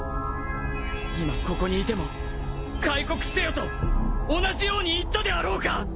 今ここにいても「開国せよ」と同じように言ったであろうか！？